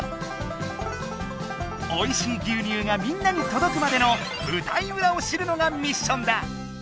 おいしい牛乳がみんなにとどくまでのぶたいうらを知るのがミッションだ。